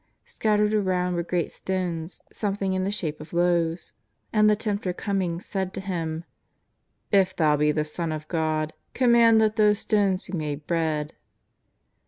Scattered around were great stones something in the shape of loaves. And the tempter coming said to Him: " If Thou be the Son of God, command that these stones be made bread."